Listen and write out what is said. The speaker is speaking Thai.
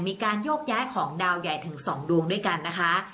มีการโยกย้ายของดาวใหญ่ถึง๒ดวงด้วยกันนะคะ